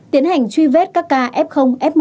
tiến hành truy vết các ca f f một